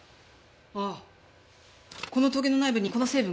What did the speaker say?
ああこのトゲの内部にこの成分がある。